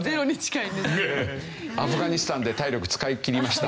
アフガニスタンで体力使い切りました？